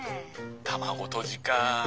卵とじか。